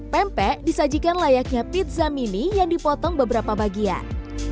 pempek disajikan layaknya pizza mini yang dipotong beberapa bagian